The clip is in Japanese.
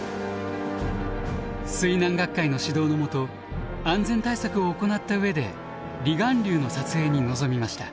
水難学会の指導の下安全対策を行った上で離岸流の撮影に臨みました。